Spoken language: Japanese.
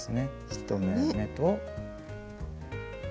１目めと。